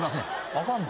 あかんの？